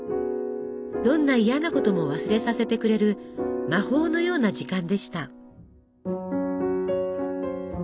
どんな嫌なことも忘れさせてくれる魔法のような時間でした。